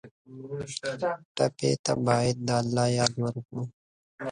ټپي ته باید د الله یاد ورکړو.